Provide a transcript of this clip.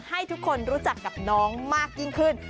ให้ทุกคนรู้จักกับน้องมากยิ่งขึ้น